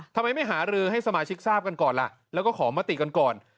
ทำไมไม่หารือให้สมาชิกทราบกันก่อนล่ะแล้วก็ขอมติกันก่อน